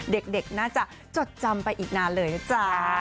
เด็กน่าจะจดจำไปอีกนานเลยนะจ๊ะ